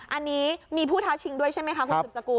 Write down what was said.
อันนี้มีผู้ท้าชิงด้วยใช่ไหมคะคุณสืบสกุล